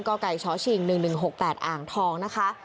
กไก่ชชิง๑๑๖๘อ่างทองนะคะ